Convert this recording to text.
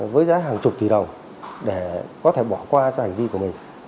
với giá hàng chục tỷ đồng để có thể bỏ qua cho hành vi của mình